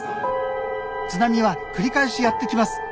津波は繰り返しやって来ます。